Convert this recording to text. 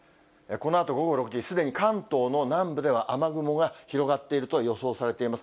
このあと午後６時、すでに関東の南部では雨雲が広がっていると予想されています。